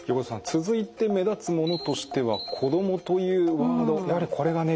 続いて目立つものとしては子供というワードやはりこれがね